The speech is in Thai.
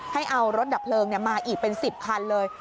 ให้เอารถดับเพลิงมาอีกเป็น๑๐คันเลย